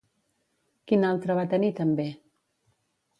Quin altre va tenir també?